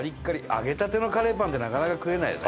揚げたてのカレーパンってなかなか食えないよね。